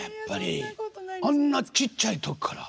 あんなちっちゃい時から。